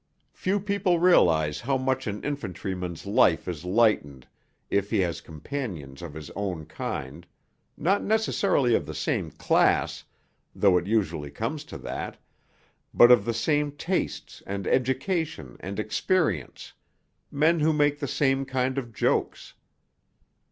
Few people realize how much an infantryman's life is lightened if he has companions of his own kind not necessarily of the same class, though it usually comes to that but of the same tastes and education and experience men who make the same kind of jokes.